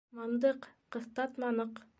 Мандыҡ, ҡыҫтатманыҡ.